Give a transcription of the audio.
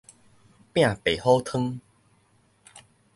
拚白虎湯